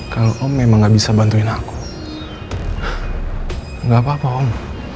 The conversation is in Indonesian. kalau om memang nggak bisa bantuin aku nggak apa apa om